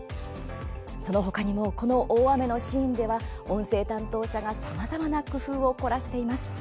その他にもこの大雨のシーンでは音声担当者が、さまざまな工夫を凝らしているんです。